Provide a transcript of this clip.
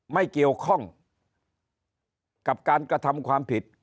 ไม่เกี่ยวข้องกับการกระทำความผิด